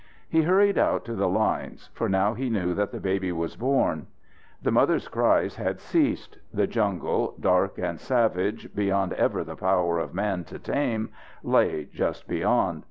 He hurried out to the lines, for now he knew that the baby was born. The mother's cries had ceased. The jungle, dark and savage beyond ever the power of man to tame, lay just beyond.